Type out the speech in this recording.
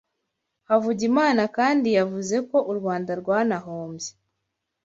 Havugimana kandi yavuze ko u Rwanda rwanahombye